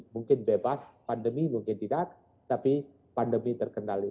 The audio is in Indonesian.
mungkin bebas pandemi mungkin tidak tapi pandemi terkendali